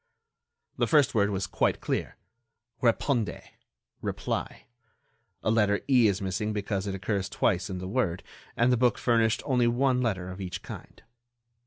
The first word was quite clear: répondez [reply], a letter E is missing because it occurs twice in the word, and the book furnished only one letter of each kind.